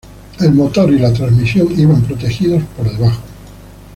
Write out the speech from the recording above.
El motor y la transmisión iban protegidos por debajo.